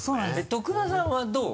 徳田さんはどう？